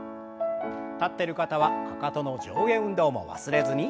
立ってる方はかかとの上下運動も忘れずに。